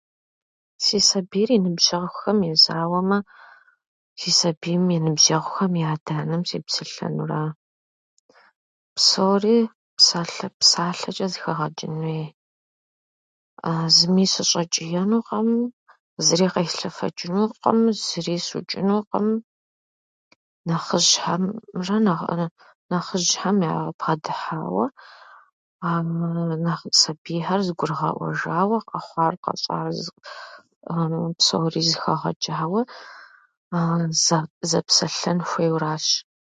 Си сабийр и ныбжьэгъухэм езауэмэ, си сабийм и ныбжьэгъухэм я адэ-анэм сепсэлъэнура. Псори псалъэ- псалъэчӏэ зыхэгъэчӏын хуей. Зыми сыщӏэчӏиенукъым, зыри къеслъэфэчӏынукъым, зыри сыучӏынукъым. Нэхъыжьхьэмрэ- нэхъыжьэхьэм ябгъэдыхьауэ, сабийхэр зэгурыгъэӏуэжауэ, къэхъуар-къэщӏар псори зыхэгъэчӏауэ, зэ- зэпсэлъэн хуейуэращ.